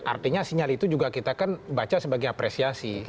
artinya sinyal itu juga kita kan baca sebagai apresiasi